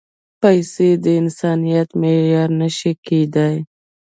پېسې د انسانیت معیار نه شي کېدای.